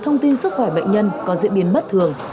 thông tin sức khỏe bệnh nhân có diễn biến bất thường